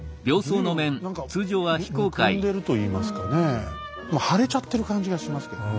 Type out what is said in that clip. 随分何かむくんでるといいますかね腫れちゃってる感じがしますけどね。